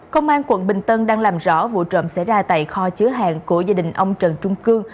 công an quận bình tân đang làm rõ vụ trộm xảy ra tại kho chứa hàng của gia đình ông trần trung cư